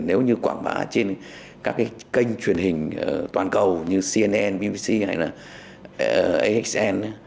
nếu như quảng bá trên các kênh truyền hình toàn cầu như cnn bbc hay axn